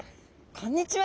こんにちは。